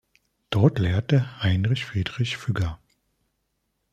Dort lehrte Heinrich Friedrich Füger.